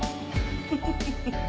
フフフフッ。